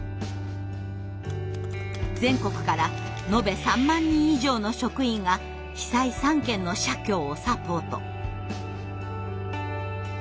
全国からのべ３万人以上の職員が被災３県の社協をサポート。